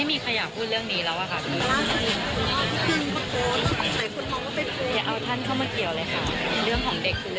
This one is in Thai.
เรื่องของเด็กคือเรื่องของเด็กนะค่ะ